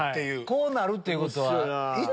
こうなるってことは。